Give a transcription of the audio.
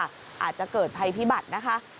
อาจจะเกิดภัยพิบัตินะคะ